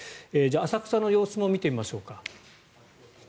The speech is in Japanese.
浅草の様子も見てみましょうか。